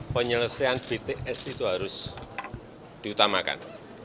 penyelesaian bts itu harus diutamakan